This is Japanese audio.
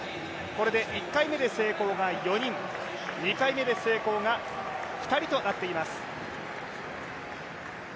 これで１回目で成功が４人、２回目で成功が２人となっています。